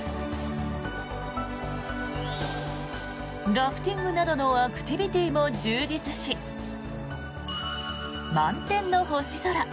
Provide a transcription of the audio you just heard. ラフティングなどのアクティビティーも充実し満天の星空。